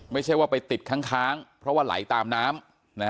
ไม่ใช่ว่าไปติดค้างเพราะว่าไหลตามน้ำ